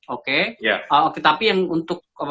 oke tapi yang untuk